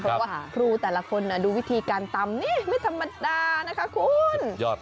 เพราะว่าครูแต่ละคนดูวิธีการตำนี่ไม่ธรรมดานะคะคุณ